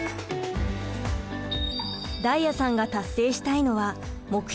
太哉さんが達成したいのは目標